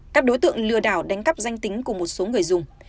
các đối tượng lừa đảo đánh cắp danh tính của một số người dùng